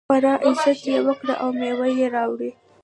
خورا عزت یې وکړ او مېوې یې راوړې.